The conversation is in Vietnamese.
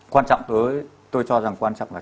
quan trọng tới tôi cho rằng quan trọng là